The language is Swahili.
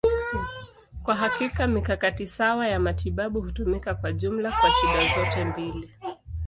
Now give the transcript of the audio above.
Kwa hakika, mikakati sawa ya matibabu hutumika kwa jumla kwa shida zote mbili.